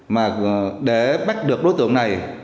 mà để bắt được đối tượng này